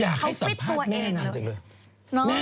อยากให้สัมภาษณ์แม่นางจังเลย